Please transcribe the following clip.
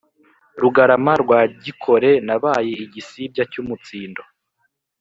Rugarama rwa Gikore nabaye igisibya cy’umutsindo,